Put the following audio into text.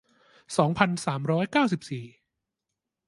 สองพันสามร้อยเก้าสิบสี่